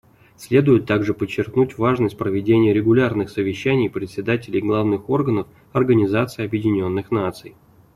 Следует также подчеркнуть важность проведения регулярных совещаний председателей главных органов Организации Объединенных Наций.